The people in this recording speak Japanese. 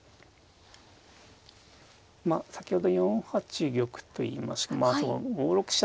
まあ先ほど４八玉と言いましたまあそう５六飛車